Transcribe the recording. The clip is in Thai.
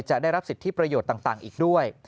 ได้รับสิทธิประโยชน์ต่างอีกด้วย